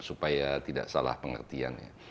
supaya tidak salah pengertiannya